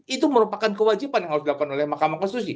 itu merupakan kewajiban yang harus dilakukan oleh mahkamah konstitusi